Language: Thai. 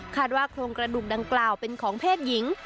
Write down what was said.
ว่าโครงกระดูกดังกล่าวเป็นของเพศหญิง